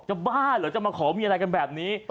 บ้าเหรอจะมาขอมีอะไรกันแบบนี้